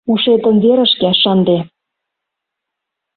Ушетым верышке шынде!